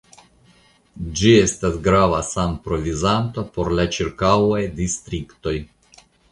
Ĝi estas grava sanprovizanto por la ĉirkaŭaj distriktoj.